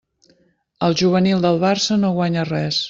El juvenil del Barça no guanya res.